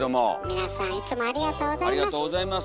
皆さんいつもありがとうございます。